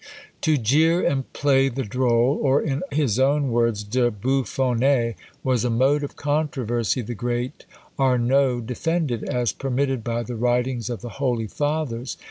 To jeer and play the droll, or, in his own words, de bouffonner, was a mode of controversy the great Arnauld defended, as permitted by the writings of the holy fathers.